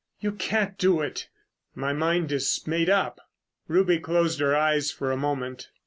"You can't do it!" "My mind is made up." Ruby closed her eyes for a moment.